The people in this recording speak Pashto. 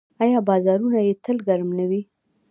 آیا بازارونه یې تل ګرم نه وي؟